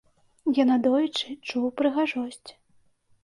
Я надоечы чуў прыгажосць.